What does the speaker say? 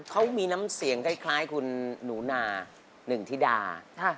เขามีน้ำเสียงคล้ายคุณหนูนาหนึ่งธิดา